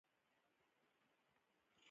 خو دا خبره به پر زیاته کړم.